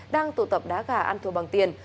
đang tụ tập đá gà ăn thua bằng tiền